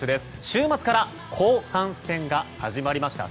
週末から後半戦が始まりました。